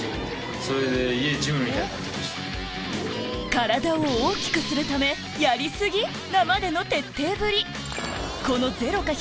体を大きくするためやり過ぎ⁉なまでの徹底ぶり